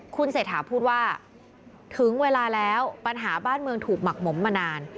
คุณเศรษฐาพูดว่าถึงเวลาแล้วปัญหาบ้านเมืองถูกหมักหมมมานาน